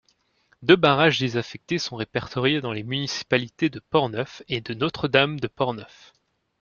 Deux barrages désaffectés sont répertoriés dans les municipalités de Portneuf et de Notre-Dame-de-Portneuf.